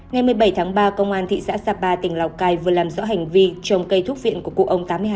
ngày một mươi bảy tháng ba công an thị xã sapa tỉnh lào cai vừa làm rõ hành vi trồng cây thuốc viện của cụ ông tám mươi hai